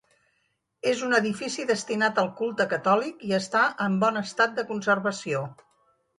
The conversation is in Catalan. És un edifici destinat al culte catòlic i està en bon estat de conservació.